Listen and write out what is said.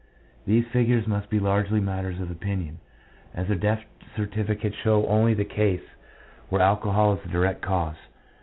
These figures must be largely matters of opinion, as the death certificates show only the cases where alcohol is the direct cause.